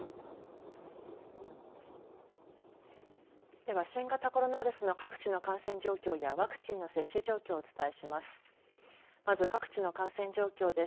では、新型コロナウイルスの各地の感染状況やワクチンの接種状況をお伝えします。